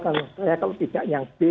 kalau tidak yang b